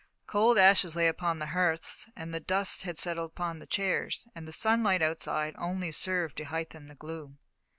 Cold ashes lay upon the hearths, the dust had settled upon the chairs, and the sunlight outside only served to heighten the gloom.